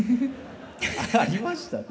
ありましたね。